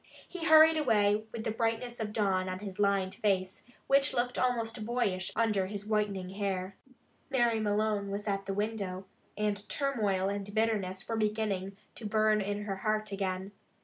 He hurried away with the brightness of dawn on his lined face, which looked almost boyish under his whitening hair. Mary Malone was at the window, and turmoil and bitterness were beginning to burn in her heart again.